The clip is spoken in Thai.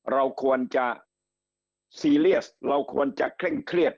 เราควรจะซีเรียสเราควรจะเคร่งเครียด